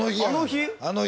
あの日？